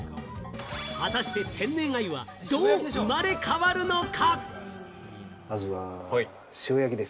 果たして天然アユはどう生まれ変わるのか？